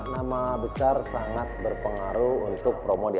nama besar sangat berpengaruh untuk proyek